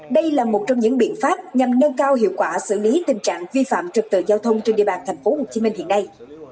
đây là một trong những biện pháp nhằm nâng cao hiệu quả xử lý tình trạng vi phạm trực tựa giao thông trên địa bàn tp hcm hiện nay